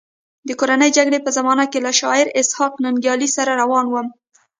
د کورنۍ جګړې په زمانه کې له شاعر اسحق ننګیال سره روان وم.